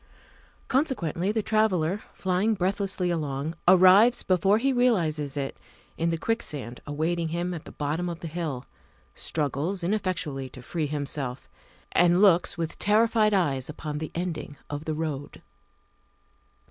Consequently the traveller, flying breathlessly along, arrives before he realizes it in the quicksand awaiting him at the bottom of the hill, struggles ineffectually to free himself, and looks with terrified eyes upon the ending of the road.